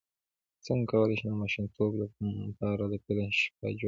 څنګه کولی شم د ماشومانو لپاره د فلم شپه جوړه کړم